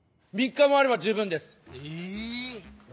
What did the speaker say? ３日もあれば十分です。